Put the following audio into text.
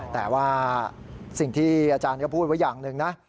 แต่ว่าสิ่งที่อาจารย์ก็พูดไว้อย่างหนึ่งนะ